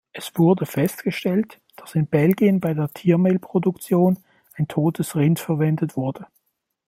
Es wurde festgestellt, dass in Belgien bei der Tiermehlproduktion ein totes Rind verwendet wurde.